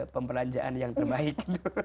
pemberanjaan yang terbaik